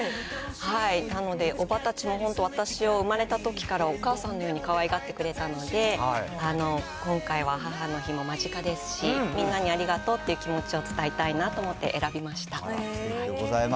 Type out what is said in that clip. なので叔母たちも本当、私を生まれたときからお母さんのようにかわいがってくれたので、今回は母の日も間近ですし、みんなにありがとうっていう気持ちを伝えたいなと思って選びましありがとうございます。